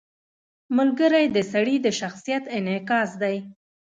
• ملګری د سړي د شخصیت انعکاس دی.